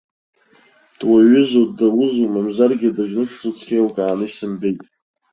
Дуаҩызу ддаузу, мамзаргьы дыџьнышзу цқьа еилкааны исымбеит.